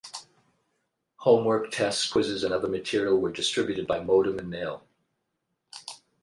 Homework, tests, quizzes and other material were distributed by modem and mail.